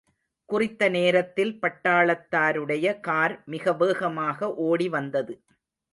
குறித்த நேரத்தில் பட்டாளத்தாருடைய கார் மிக வேகமாக ஓடிவந்தது.